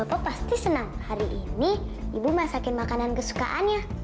bapak pasti senang hari ini ibu masakin makanan kesukaannya